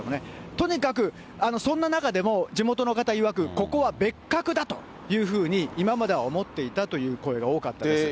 とにかくそんな中でも、地元の方いわく、ここは別格だというふうに、今までは思っていたという声が多かったです。